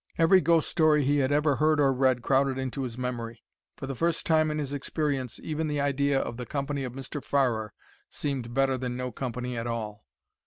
Every ghost story he had ever heard or read crowded into his memory. For the first time in his experience even the idea of the company of Mr. Farrer seemed better than no company at all.